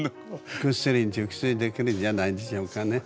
ぐっすり熟睡できるんじゃないでしょうかね。